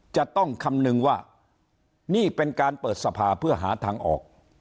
จะต้องคำนึงว่านี่เป็นการเปิดสภาเพื่อหาทางออก